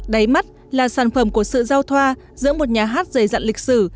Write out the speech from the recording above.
đáy mắt là sản phẩm của sự giao thoa giữa một nhà hát dày dặn lịch sử